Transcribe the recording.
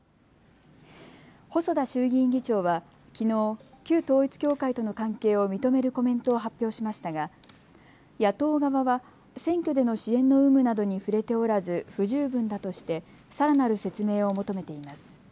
細田衆議院議長はきのう旧統一教会との関係を認めるコメントを発表しましたが野党側は選挙での支援の有無などに触れておらず不十分だとしてさらなる説明を求めています。